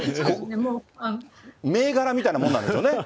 銘柄みたいなもんなんでしょうね。